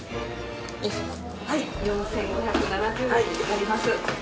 はい４，５７０円になります。